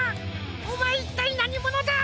おまえいったいなにものだ！？